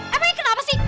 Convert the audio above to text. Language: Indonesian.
emang ini kenapa sih